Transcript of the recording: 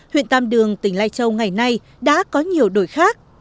huyện tam đường tỉnh lạc ngày nay đã có nhiều đổi khác